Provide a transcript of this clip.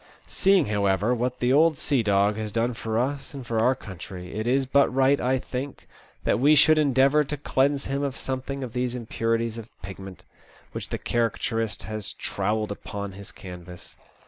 Seeing, however, what the old sea dog has done for us and for our country, it is but right, I think, that we should endeavour to cleanse him of something of these impurities of pigment, which the caricaturist has trowelled upon his canvas.